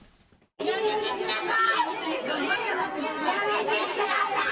やめてください。